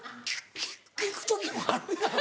き聴く時もあるやろ。